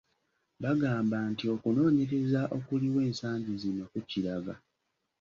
Bagamba nti okunoonyereza okuliwo ensangi zino kukiraga